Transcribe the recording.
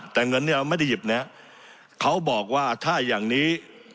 แต่เงินเนี่ยเราไม่ได้หยิบนะเขาบอกว่าถ้าอย่างนี้